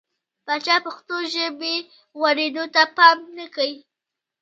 پاچا پښتو ژبې غوړېدو ته پام نه کوي .